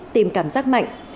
tìm cảm giác mạnh